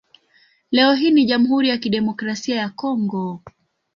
Leo hii ni Jamhuri ya Kidemokrasia ya Kongo.